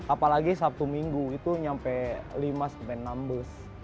apalagi sabtu minggu itu sampai lima sampai enam